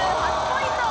２８９ポイント！